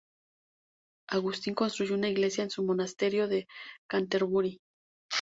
Agustín construyó una iglesia en su monasterio de Canterbury.